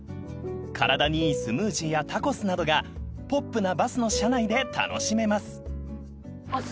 ［体にいいスムージーやタコスなどがポップなバスの車内で楽しめます］